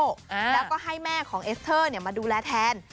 แล้วก็ให้แม่ของเอสเตอร์มาดูแลแทน